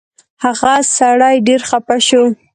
هغه سړی ډېر خفه شو.